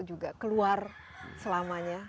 juga keluar selamanya